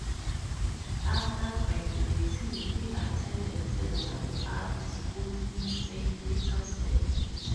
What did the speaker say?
After graduating he attended several art schools in Saint Petersburg.